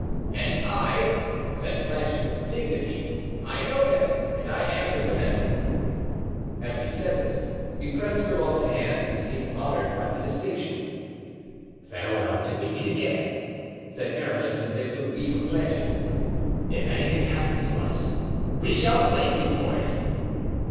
"And I," said Planchet, with dignity, "I know them and I answer for them." As he said this, he pressed Grimaud's hand, who seemed honored by the distinction. "Farewell till we meet again," said Aramis, as they took leave of Planchet; "if anything happens to us we shall blame you for it."